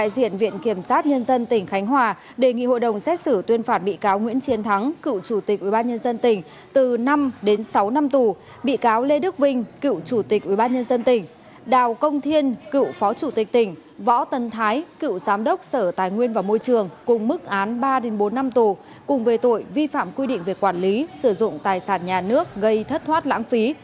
tòa nhân dân tỉnh khánh hòa đề nghị hội đồng xét xử tuyên phản bị cáo nguyễn chiến thắng cựu chủ tịch ubnd tỉnh từ năm đến sáu năm tù bị cáo lê đức vinh cựu chủ tịch ubnd tỉnh đào công thiên cựu phó chủ tịch tỉnh võ tân thái cựu giám đốc sở tài nguyên và môi trường cùng mức án ba bốn năm tù cùng về tội vi phạm quy định về quản lý sử dụng tài sản nhà nước gây thất thoát lãng phí